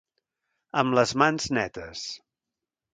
Amb les mans netes.